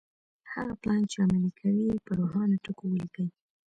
هغه پلان چې عملي کوئ يې په روښانه ټکو وليکئ.